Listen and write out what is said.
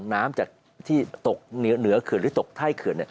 น้ำที่จะตกเหนือเขื่อนหรือตกไทยเขื่อน